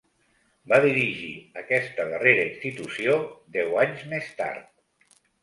Va dirigir aquesta darrera institució deu anys més tard.